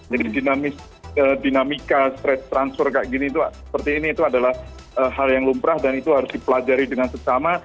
jadi dinamika transfer seperti ini adalah hal yang lumrah dan itu harus dipelajari dengan sesama